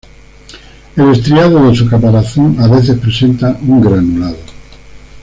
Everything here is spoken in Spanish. El estriado de su caparazón a veces presenta un granulado.